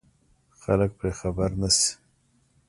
خلک پرې خبر نه شي.